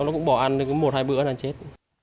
nó cũng bỏ ăn được một hai bữa là chết